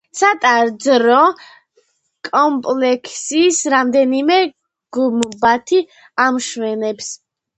სატაძრო კომპლექსს რამდენიმე გუმბათი ამშვენებს.